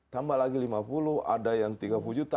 tambah lagi lima puluh ada yang tiga puluh juta